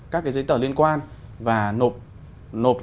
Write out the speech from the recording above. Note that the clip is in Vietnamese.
các giấy tờ liên quan và nộp